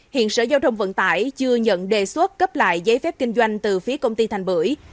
hiện sở giao thông vận tải chưa nhận đề xuất cấp lại giấy phép kinh doanh từ phía công ty thành bưởi